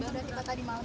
pak mentan sudah tiba